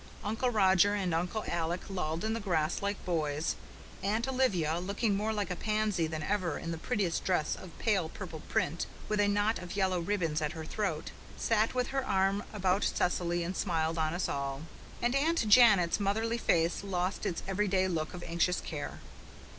Uncle Roger and Uncle Alec lolled in the grass like boys; Aunt Olivia, looking more like a pansy than ever in the prettiest dress of pale purple print, with a knot of yellow ribbon at her throat, sat with her arm about Cecily and smiled on us all; and Aunt Janet's motherly face lost its every day look of anxious care.